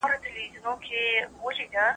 ده د ماشومانو راتلونکی مهم ګاڼه.